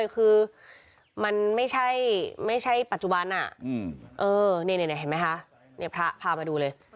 คือมันไม่ใช่ปัจจุบันเห็นไหมคะพระพามาดูเลย